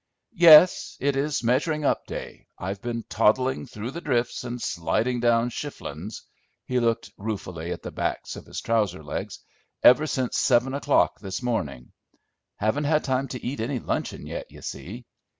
"Yes. It is measuring up day. I've been toddling through the drifts and sliding down chiflons" he looked ruefully at the backs of his trousers legs "ever since seven o'clock this morning. Haven't had time to eat any luncheon yet, you see."